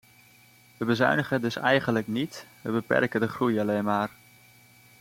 We bezuinigen dus eigenlijk niet, we beperken de groei alleen maar.